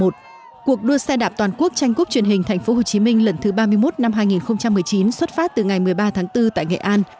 cuộc đua xe đạp toàn quốc tranh cúp truyền hình thành phố hồ chí minh lần thứ ba mươi một năm hai nghìn một mươi chín xuất phát từ ngày một mươi ba tháng bốn tại nghệ an